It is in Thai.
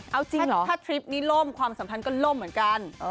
เอาจริงเหรอถ้าทริปนี้ล่มความสัมพันธ์ก็ล่มเหมือนกัน